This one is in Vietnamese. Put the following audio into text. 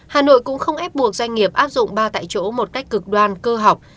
hà nội cũng không ép buộc doanh nghiệp áp dụng ba tại chỗ một cách cực đoan cơ học